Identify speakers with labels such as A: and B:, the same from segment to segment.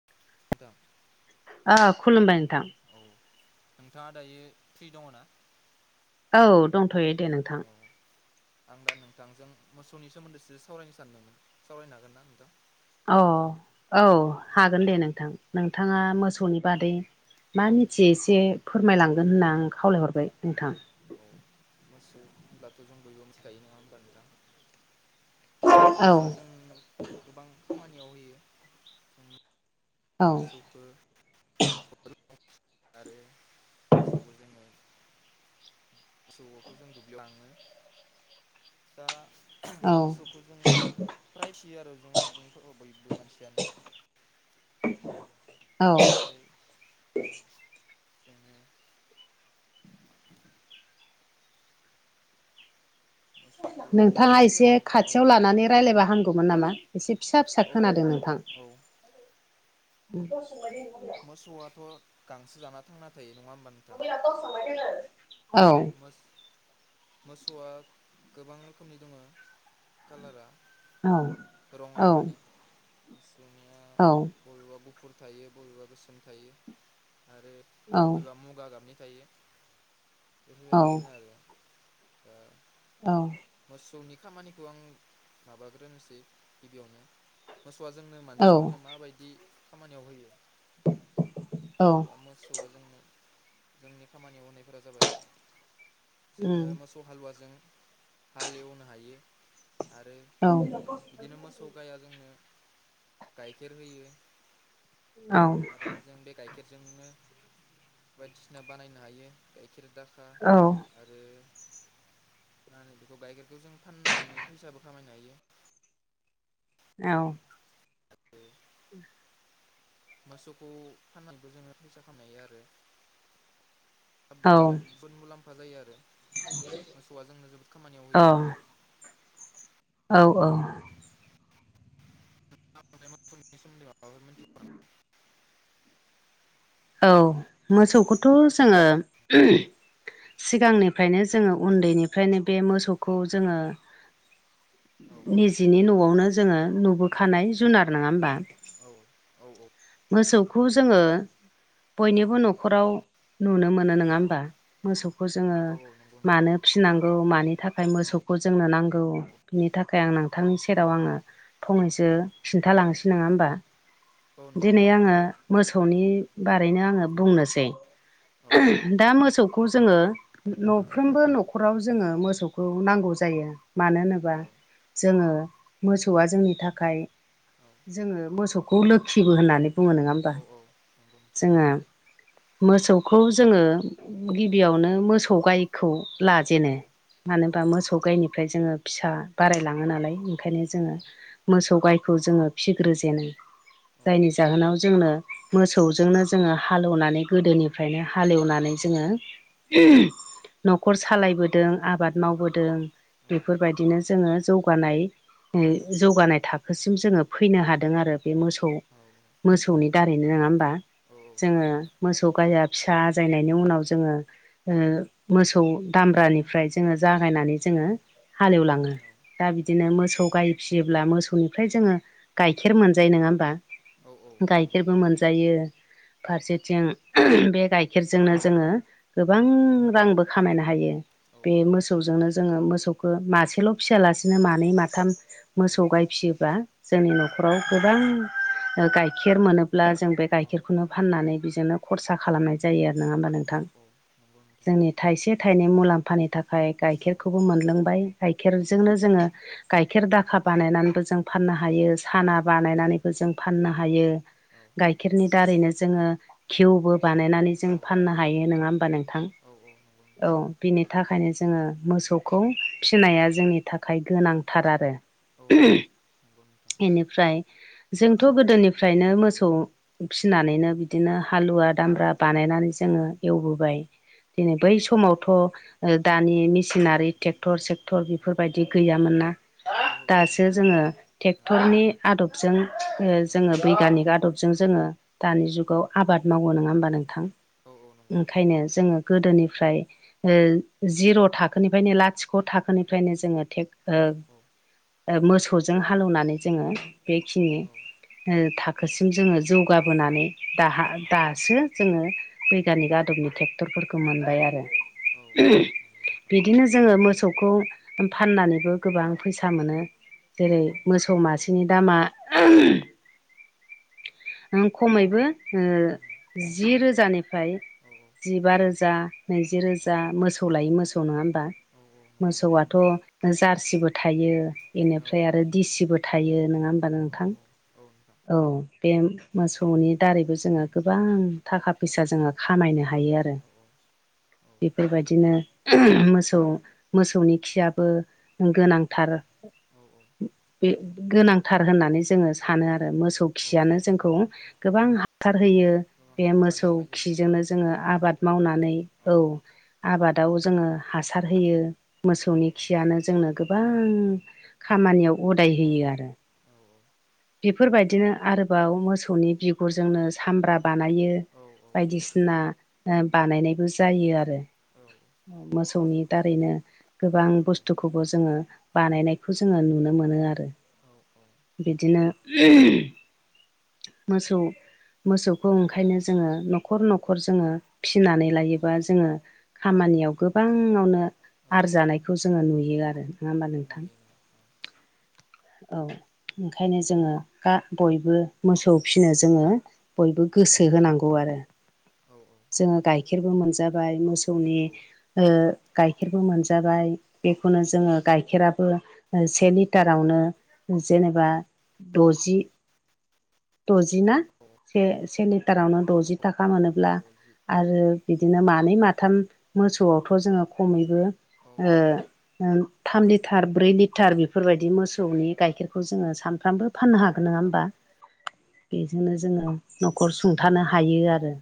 A: [unintelligible]
B: अ खुलुमबाय नोंथां
A: औ नोंथाङा दायो फ्रि दङ ना
B: औ दंथ'यो दे नोंथां
A: औ आं दा नोंथांजों मोसौनि सोमोन्दैसो सावरायनो सानदोंमोन सावरायनो हागोन ना नोंथां
B: अ औ हागोन दे नोंथां नोंथाङा मोसौनि बादै मा
A: औ
B: मिथियो एसे फोरमायलांगोन होनना आं खावलायहरबाय नोंथां
A: औ मोसौ होनब्लाथ' जों बयबो मिथिखायो नङा होमबा नोंथां
B: औ
A: मोसौआ जों गोबां खामानियाव होयो
B: औ
A: मोसौखो आरो मोसौखौ जोङो मसौथ' जों दुब्लियावलाङो दा
B: औ
A: मोसौखौ जोङो फ्राय फिसियो आरो जों सुबुंफोराव बयबो मानसियानो
B: [inaudible] औ
A: ओमफ्राय जोङो मोसौखौ
B: नोंथाङा
A: मोसौनि जा
B: एसे
A: औ
B: खाथियाव लानानै रायज्लायबा हामगौमोन नामा एसे फिसा फिसा
A: औ
B: खोनादों
A: औ
B: नोंथां
A: औ न 'आथ' गांसो जाना थांना थायो नङा होमबा नोंथां
B: औ
A: मोसौआ गोबां रोखोमनि दङ कालारा
B: औ
A: रङा
B: औ
A: माने [unintelligible]
B: औ
A: बबेबा गुफुर थायो बबेबा गोसोम थायो आरो
B: औ
A: बयबा मुगा गाबनि थायो
B: औ
A: बेफोरबायदिनो आरो दा
B: औ
A: मोसौनि खामानिखौ आं माबाग्रोनोसै गिबियावनो मोसौआ जोंनो मानसिफोरनो माबायदि खामानियाव होयो।
B: औ
A: दा मोसौआ जों जोंनि खामानि मावनायफोरा जाबाय जोङो
B: उम
A: मोसौ थ' हालुवाजों हाल एवनो हायो आरो
B: औ
A: बिदिनो मोसौ गाया जोंनो गाइखेर होयो
B: औ
A: आरो जों बे गाइखेरजोंनो बायदिसिना बानायनो हायो गाइखेर दाखा
B: औ
A: आरो मा होनो बेखौ गाइखेरखौ जों फाननानै फैसाबो खामायनो हायो
B: औ
A: आरो
B: [inaudible]
A: मोसौखौ फाननानैबो जोङो फैसा खामायो आरो आरो बिराद मुलाम्फा जायो आरो मोसौआ जोंनो जोबोद खामानियाव
B: औ
A: होयो
B: औ औ।
A: [unintelligible]
B: न [inaudible] औ मोसौखौथ' जोङो। सिगांनिफ्रायनो जोङो उन्दैनिफ्रायनो बे मोसौखौ जोङो। निजिनि न'आवनो जोङो नुबोखानाय जुनार। नोङा
A: औ
B: होमबा?
A: औ औ।
B: मोसौखौ जोङो। बयनिबो न'खराव नुनो मोनो
A: औ
B: नङा होमबा। मोसौखौ जोङो
A: औ औ नंगौ नोंथां
B: मानो फिनांगौ मानि थाखाय
A: औ
B: मोसौखौ जोंनो नांगौ। बिनि थाखाय आं नोंथांनि सेराव
A: औ
B: आङो फंनैसो खिन्थालांसै। नङा होमबा?
A: औ नोंथां
B: दिनै आङो मोसौनि बारैनो आङो बुंनोसै।
A: औ
B: दा मोसौखौ जोङो।
A: औ
B: न'फ्रोमबो न'खराव जोङो मोसौखौ नांगौ जायो। मानो होनोबा जोङो मोसौआ जोंनि थाखाय। जोङो मोसौखौ लो खिबो होननानै बुङो नङा होमबा।
A: औ औ नंगौ नोंथां
B: जोङो मोसौखौ जोङो
A: औ
B: गिबियावनो मोसौ गायखौ
A: औ
B: लाजेनो।
A: औ
B: मानो होनबा मोसौ गायनिफ्राय जोङो फिसा बारायलाङो नालाय।
A: उम
B: ओंखायनो जोङो मोसौ गायखौ जोङो फिग्रो जेनो। जायनि जाहोनाव जोंनो मोसौजोंनो जोङो हालेवनानै गोदोनिफ्रायनो हालेवनानै जोङो। [unintelligible] न'खर सालायबोदों आबाद मावबोदों। बेफोरबायदिनो जोङो जौगानाय जौगानाय थाखोसिम जोङो फैनो हादों आरो। बे मोसौ मोसौनि दारैनो नङा होनोमबा?
A: औ
B: जोङो
A: नंगौ नोंथां
B: मोसौ गायया फिसा आजायनायनि उनाव जोङो। ओ मोसौ दामब्रानिफ्राय जोङो जागायनानै
A: औ
B: जोङो
A: औ
B: हालेवलाङो। दा बिदिनो मोसौ गाय फिसियोब्ला मोसौनिफ्राय जोङो गाइखेर मोनजायो नङा होमबा।
A: औ नंगौ
B: गाइखेरबो मोनजायो। फारसेथिं बे गाइखेरजोंनो जोङो। गोबां
A: नोंथां औ
B: रांबो खामायनो हायो।
A: औ
B: बे मोसौ मोसौजोंनो जोङो मोसौखौ मासेल' फियालासिनो मानै माथाम। मोसौ गाय फियोबा जोंनि न'खराव गोबां। ओ गाइखेर मोनोब्ला जों बे गाइखेरखौनो फाननानै बेजोंनो खरसा खालामनाय। जायो आरो नोङा होमबा नोंथां जोंनि थायसे थाइनै मुलाम्फानि थाखाय। गाइखेरखौ मोनलोंबाय गाइखेरजोंनो जोङो। गाइखेर दाखा बानायनानैबो जों फाननो हायो। साना बानायनानैबो जों फाननो हायो। गाइखेरनि दारैनो जोङो खिउबो बानायनानै जों फाननो हायो नोङा होमबा नोंथां।
A: औ औ। नंगौ नोंथां
B: औ बिनि थाखायनो जोङो मोसौखौ
A: औ
B: फिनाया जोंनि थाखाय गोनांथार आरो। ह [unintelligible]
A: नोंगौ नोंथां।
B: बेनिफ्राय जोंथ' गोदोनिफ्रायनो मोसौ फिसिनानैनो बिदिनो हालुवा
A: औ
B: दामब्रा बानायनानै जोङो एवबोबाय। दिनै
A: औ
B: बै समावथ' ओ दानि मेसिनारि टेक। क्टर सेक्टर
A: औ
B: बेफोरबायदि गैयामोन ना
A: ओहो गैयामोन
B: दासो
A: नोंथां
B: जोङो।
A: औ
B: ट्रेक्टरनि आदबजों
A: औ
B: जोङो बैग्यानिक आदब जों जोङो दानि जुगाव आबाद मावो नङा होमबा नोंथां।
A: औ औ नंगौ नोंथां
B: ओंखायनो जोङो गोदोनिफ्राय। ओ जिर' थाखोनिफ्रायनो लाथिख' थाखोनिफ्रायनो जोङोे
A: औ
B: [unintelligible]
A: औ
B: ओ मोसौजों हालौवनानै जोङो बेखिनि ओ थाखोसिम जोङो जौगाबोनानै दा दासो जोङो बैयगानिक आदबनि ट्रेक्टरफोरखौ मोनबाय आरो।
A: औ नंगौ नोंथां
B: बिदिनो जोङो मोसौखौ फाननानैबो गोबां फैसा मोनो।
A: औ उम
B: जेरै मोसौ मासेनि दामा। नों खमैबो ओ जि रोजानिफ्राय।
A: औ
B: जिबा रोजा नैजि
A: औ
B: रोजा मोसौ लायो मोसौ नङा होमबा
A: औ औ नंगौ
B: मोसौआथ' जारसिबो थायो
A: नोंथां
B: बेनिफ्राय
A: औ
B: आरो दिसिबो थायो नङा होमबा नों
A: औ औ औ। नोंथां
B: औ बे मोसौनि दारैबो जोंङो गोबां थाखा फैसा जोंङो खामायनो हायो आरो।
A: औ औ औ
B: बेफोरबायदिनो मोसौ मोसौनि खियाबो। गोनांथार
A: औ
B: बे गोनांथार होननानै जोङो सानो आरो मोसौ
A: औ
B: खियानो जोंखौ गोबां हासार होयो।
A: गोबां
B: बे
A: आबादनि
B: मोसौ
A: थाखाय जोबोद मोजां
B: खिजोंनो
A: आरो
B: जोङो आबाद मावनानै औ। आबादाव जोङो हासार होयो
A: औ
B: मोसौनि खियानो जोंनो गोबां। खामानियाव उदाय होयो आरो।
A: औ
B: बेफोरबायदिनो आरोबाव मोसौनि बिगुरजोंनो सामब्रा बानायो।
A: औ
B: बायदिसिना ओ बानायनायबो जायो आरो।
A: औ।
B: मोसौनि दारैनो गोबां बुस्थुखौबो जोङो बानायनायखौ जोङो नुनो मोनो आरो।
A: औ
B: बिदिनो मोसौ मोसौखौ ओंखायनो जोङो न'खर न'खर जोङो फिनानै लायोबा जोङो खामानियाव गोबाङावनो
A: औ
B: आरजानायखौ जोङो नुयो आरो नङा होमबा नोंथां।
A: [inaudible]
B: औ। ओंखायनो जोङो गा बयबो मोसौ फिनो जोङो बयबो गोसो होनांगौ आरो।
A: औ
B: जोंङो गाइखेरबो मोनजाबाय मोसौनि।
A: औ
B: ओ गाइखेरबो मोनजाबाय बेखौनो जोङो गाइखेराबो ओ से लिटारावनो। जेनेबा द'जि द'जि ना?
A: औ
B: से से लिटारावनो द'जि थाखा मोनोब्ला
A: औ द'जि
B: आरो बिदिनो
A: औ
B: मानै माथाम मोसौआवथ' जोङो खमैबो
A: औ
B: ओ थाम लिटार ब्रै लिटार बेफोरबायदि मोसौनि गाइखेर खौ जोङो सानफ्रामबो फाननो हागोन नङा होमबा। बेजोंनो जोंङो न'खर सुंथानो हायो आरो।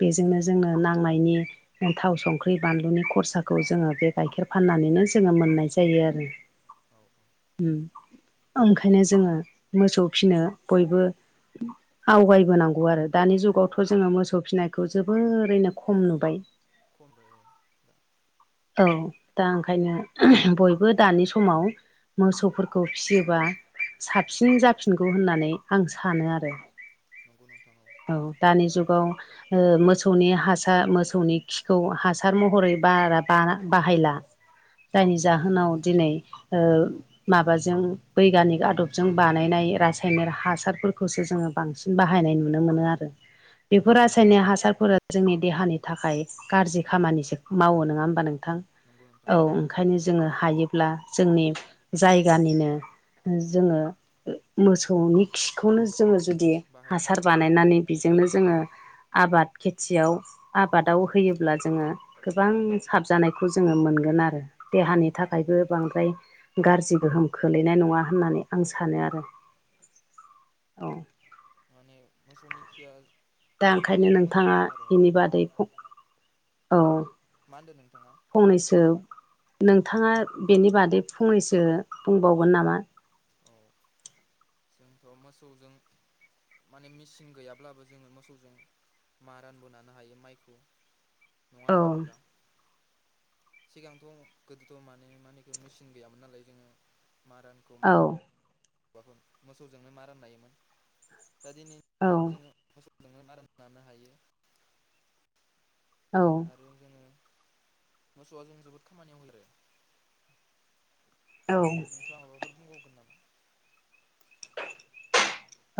B: बेजोंनो जोंनो नांनायनि थाव संख्रि बानलुनि खरसा खौ
A: औ
B: जोङो बे गाइखेर फाननानैनो जोङो मोननाय जायो आरो उम ओंखायनो जोङो मोसौ फिनो बयबो आवगायबोनांगौ आरो दानि
A: औ औ
B: जुगावथ' जोंङो मोसौ फिनायखौ जोबोरैनो खम नुबाय।
A: [unintelligible]
B: औ दा ओंखायनो
A: औ
B: बयबो दानि समाव
A: औ
B: मोसौफोरखौ फियोबा
A: औ
B: साबसिन जाफिनगौ होननानै आं सानो
A: औ
B: आरो
A: नंगौ नोंथां
B: औ। दानि जुगाव ओ मोसौनि हासार मोसौनि खिखौ हासार
A: औ
B: महरै बारा बाना बाहायला
A: औ
B: जायनि जाहोनाव दिनै ओ माबाजों बैगानिक आदबजों बानायनाय रासायनिक हासारफोरखौसो जोङो बांसिन बाहायनाय
A: औ
B: नुनो मोनो
A: औ
B: आरो
A: औ
B: बेफोर रासायनिक हासारफोरा जोंनि देहानि थाखाय गाज्रि
A: मोजां ना
B: खामानिसो
A: औ औ
B: मावो नङा होमबा नोंथां
A: नंगौ नोंथां
B: औ ओंखायनो जोङो हायोब्ला जोंनि जायगानिनो ओ
A: औ
B: जोङो मोसौनि खिखौनो जोङो जुदि हासार
A: बाहायनांगौ आरो न' औ
B: बानायनानै बेजोंनो जोङो आबाद खेथियाव आबादाव
A: औ
B: होयोब्ला जोङो गोबां हाबजानायखौ जोङो मोनगोन आरो
A: औ
B: देहानि
A: औ नंगौ
B: थाखायबो
A: नोंथां
B: बांद्राय गाज्रि गोहोम खोलैनाय नङा होननानै
A: औ
B: आं
A: औ
B: सानो आरो औ
A: माने मोसौनि खिया
B: दा ओंखायनो
A: हाखौबो मोजां
B: नोंथांङा
A: खालामो आरो
B: बेनि
A: औ
B: बादै औ
A: मा होन्दों नोंथाङा
B: फंनैसो नोंथाङा बेनि बादै फंनैसो बुंबावगोन नामा?
A: औ जोंथ' मोसौजों माने मेचिन गैयाब्लाबो जोङो मोसौजों मारानबोनानो हायो माइखौ नङा
B: औ
A: होमबा नोंथां? सिगांथ' गोदोथ' मानि मानिखौ मेचिन गैयामोन नालाय जोङो मारानखौ
B: औ
A: माबो फोर मोसौजोंनो मारामन नायोमोन दा दिनैनि
B: औ
A: जोङो मोसौजोंनो आराम नानो हायो।
B: औ
A: आरो जोङो मोसौआ जों जोबोद खामानियाव हेरो
B: औ
A: नोंथाङा माबाफोर बुंबावगोन नामा?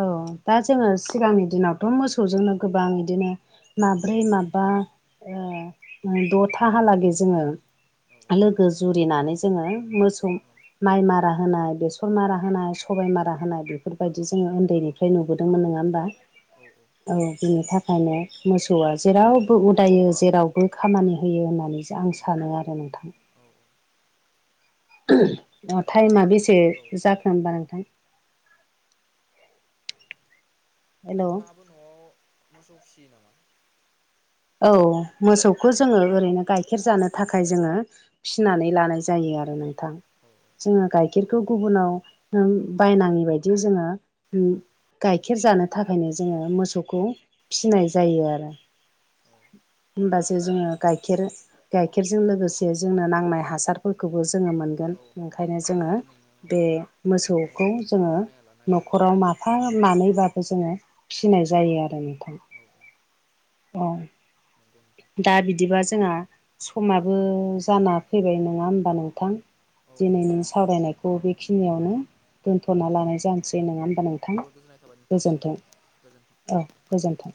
B: औ दा जोङो सिगांनि दिनावथ' मोसौजोंनो गोबां बिदिनो माब्रै
A: औ
B: माबा ओ द'थाहालागै जोङो
A: औ
B: लोगो जुरिनानै जोङो मोसौ माइ मारा होनाय बेसर मारा होनाय सबायाइ मारा हो होननाय बेफोरबायदि जोंङो उन्दैनिफ्राय नुबोदोंमोन नङा होमबा।
A: औ
B: औ बिनि थाखायनो मोसौआ जेरावबो उदायो जेरावबो खामानि होयो होननानै आं
A: औ
B: सानो आरो नोंथां।
A: औ
B: अ
A: ओमफ्राय
B: टाइमा
A: नों
B: बेसे
A: औ
B: जाखो होनबा नोंथां? हेलौ
A: नोंथाङाबो न'आव मोसौ फिसियो नामा?
B: औ मोसौखौ
A: औ
B: जोङो ओरैनो गाइखेर जानो थाखाय जोङो फिनानै लानाय जायो
A: औ
B: आरो नोंथां।
A: औ
B: जोङो गाइखेरखौ गुबुनाव ओ बायनाङि बायदि जोङो गाइखेर जानो थाखायनो जोङो मोसौखौ फिनाय जायो आरो होमबासो जोङो गाइखेर गाइखेरजों लोगोसे जोंनो नांनाय हासारफोरखौबो जोङो मोनगोन ओंखायनो जोङो
A: न'आवनो मोनो औ
B: बे मोसौखौ
A: न'आवनो
B: जोङो
A: बानायना लानो हायो आरो
B: न'खराव माफा मानैबाबो जोङो
A: औ
B: फिनाय जायो आरो नोंथां।
A: औ
B: औ
A: नंगौ नोंथां।
B: दा बिदिबा जोंहा
A: औ
B: समाबो
A: औ
B: जाना फैबाय नङा होनोमबा नोंथां।
A: औ औ
B: दिनैनि सावरायनायखौ बेखिनियावनो दोनथ'ना लानाय जानोसै नङा होमबा नों
A: जोबद गोजोननाय थाबाय नोंथांनिसिम गोजोन्थों
B: गोजोन